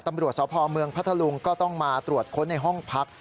ตำรวจสพเมืองพัทธลุงก็ต้องมาตรวจค้นในห้องพัก